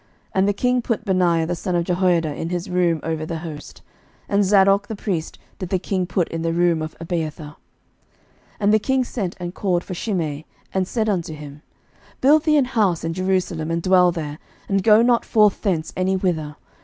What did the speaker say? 11:002:035 And the king put Benaiah the son of Jehoiada in his room over the host: and Zadok the priest did the king put in the room of Abiathar. 11:002:036 And the king sent and called for Shimei, and said unto him, Build thee an house in Jerusalem, and dwell there, and go not forth thence any whither.